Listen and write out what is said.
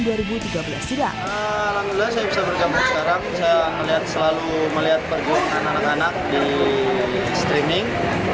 alhamdulillah saya bisa bergabung sekarang saya melihat selalu melihat perjuangan anak anak di streaming